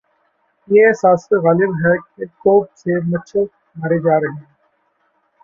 یہ احساس غالب ہے کہ توپ سے مچھر مارے جا رہے ہیں۔